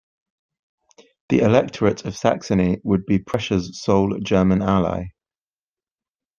The electorate of Saxony would be Prussia's sole German ally.